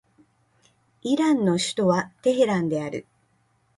イランの首都はテヘランである